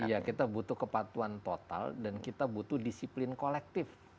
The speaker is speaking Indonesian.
iya kita butuh kepatuan total dan kita butuh disiplin kolektif